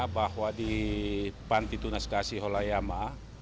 bahwa di panti tunaskasi holayama